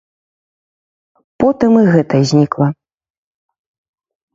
Потым і гэта знікла.